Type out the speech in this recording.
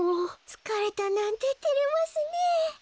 つかれたなんててれますねえ。